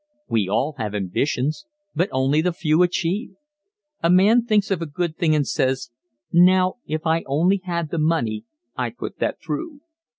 We all have ambitions, but only the few achieve. A man thinks of a good thing and says: "Now if I only had the money I'd put that through."